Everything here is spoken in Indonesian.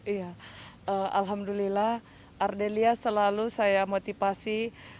iya alhamdulillah ardelia selalu saya motivasi